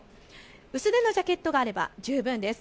薄手のジャケットがあれば十分です。